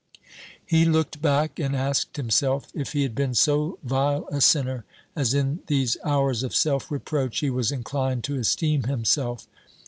He looked back, and asked himself if he had been so vile a sinner as in these hours of self reproach he was inclined to esteem himself?